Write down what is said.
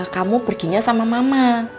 kamu perginya sama mama